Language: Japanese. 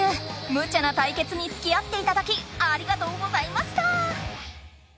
むちゃな対決につきあっていただきありがとうございました！